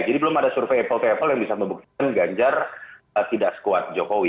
jadi belum ada survei epok epok yang bisa membuktikan ganjar tidak sekuat jokowi